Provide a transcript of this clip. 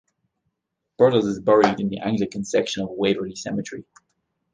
Birtles is buried in the Anglican section of Waverley Cemetery.